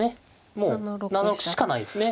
もう７六しかないですね。